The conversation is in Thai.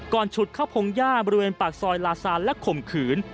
ก่อนฉุดข้าวผงย่าบริเวณปากซอยลาซานและข่มขืน